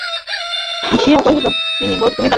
হাসিয়া কহিল, তিনি বোধ হয় আমাদের এখানে আর কখনো আসবেন না?